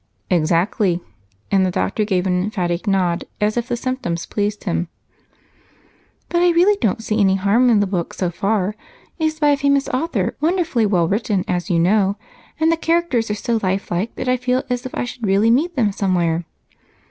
"Exactly." And the doctor gave an emphatic nod, as if the symptoms pleased him. "But I really don't see any harm in the book so far. It is by a famous author, wonderfully well written, as you know, and the characters so lifelike that I feel as if I should really meet them somewhere."